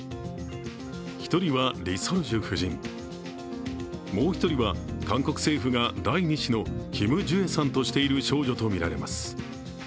１人はリ・ソルジュ夫人、もう１人は韓国政府が第２子のキム・ジュエさんとしている少女とみられます。